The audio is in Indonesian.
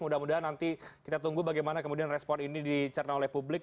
mudah mudahan nanti kita tunggu bagaimana kemudian respon ini dicerna oleh publik